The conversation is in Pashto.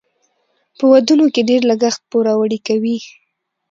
په ودونو کې ډیر لګښت پوروړي کوي.